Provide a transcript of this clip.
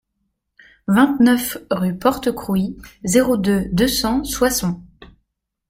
vingt-neuf rue Porte Crouy, zéro deux, deux cents Soissons